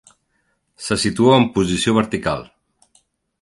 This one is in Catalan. Se situa en posició vertical.